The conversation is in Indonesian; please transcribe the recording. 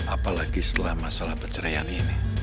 apalagi setelah masalah perceraian ini